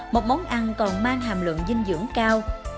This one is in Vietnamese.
một món ăn còn mang hàm lượng dinh dưỡng cao